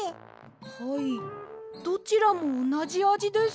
はいどちらもおなじあじです。